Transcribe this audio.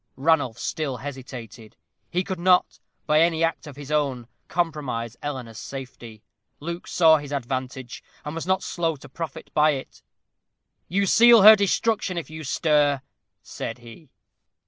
Ranulph still hesitated. He could not, by any act of his own, compromise Eleanor's safety. Luke saw his advantage, and was not slow to profit by it. "You seal her destruction if you stir," said he.